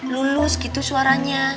lulus gitu suaranya